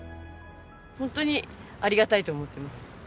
本当にありがたいと思っています。